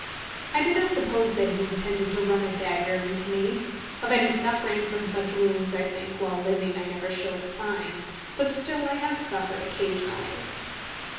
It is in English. I do not suppose that he intended to run a dagger into me. Of any suffering from such wounds, I think, while living, I never showed a sign; but still I have suffered occasionally.